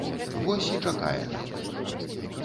Вось і чакае нам.